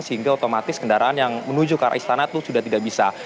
sehingga otomatis kendaraan yang menuju ke arah istana itu sudah tidak bisa